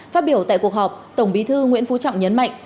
phát biểu tại cuộc họp tổng bí thư nguyễn phú trọng nhấn mạnh